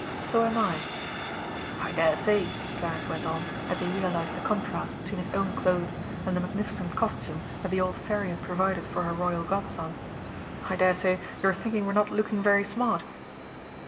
"So am I." "I dare say," Clarence went on, as he realised the contrast between his own clothes and the magnificent costume that the old Fairy had provided for her royal godson, "I dare say you're thinking we're not looking very smart?"